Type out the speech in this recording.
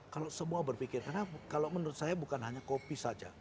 kalau semua berpikir karena kalau menurut saya bukan hanya kopi saja